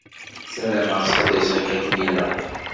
Sarameɣ ttxelliṣen-k akken ilaq.